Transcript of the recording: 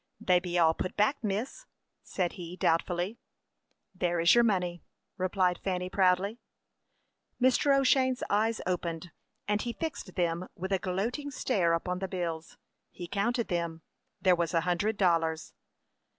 "They be all put back, miss," said he, doubtfully. "There is your money," replied Fanny, proudly. Mr. O'Shane's eyes opened, and he fixed them with a gloating stare upon the bills. He counted them; there was a hundred dollars.